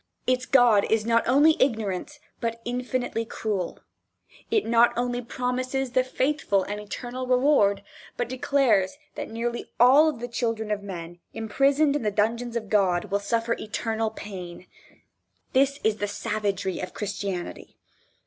Its god is not only ignorant, but infinitely cruel. It not only promises the faithful an eternal reward, but declares that nearly all of the children of men, imprisoned in the dungeons of God will suffer eternal pain. This is the savagery of Christianity.